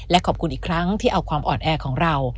และขอบคุณอีกครั้งที่เอาความอ่อนแอของเรา